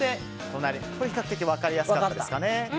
これは比較的分かりやすかったですかね。